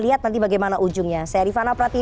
lihat nanti bagaimana ujungnya saya rifana prati